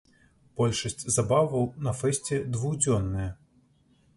Большасць забаваў на фэсце двухдзённыя.